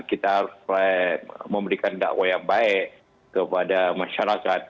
kita harus memberikan dakwah yang baik kepada masyarakat